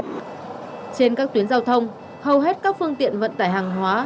trên các tuyến giao thông hầu hết các phương tiện vận tải hàng hóa